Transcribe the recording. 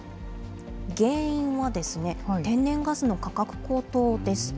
原因は、天然ガスの価格高騰です。